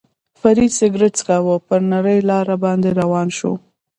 فرید سګرېټ څکاوه، پر نرۍ لار باندې روان شو.